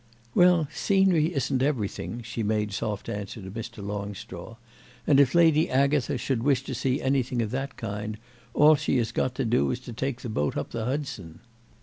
"Well, scenery isn't everything," she made soft answer to Mr. Longstraw; "and if Lady Agatha should wish to see anything of that kind all she has got to do is to take the boat up the Hudson."